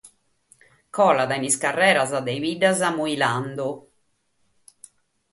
Colat peri sas carreras de sas biddas muilende